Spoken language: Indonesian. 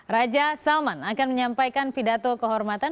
raja salman akan menyampaikan pidato kehormatan